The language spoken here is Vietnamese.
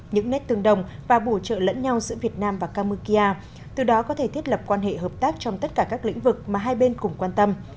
những nét tương đồng và bổ trợ lẫn nhau giữa việt nam và kamukia từ đó có thể thiết lập quan hệ hợp tác trong tất cả các lĩnh vực mà hai bên cùng quan tâm